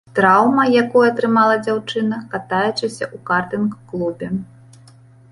Траўма, якую атрымала дзяўчына, катаючыся ў картынг-клубе.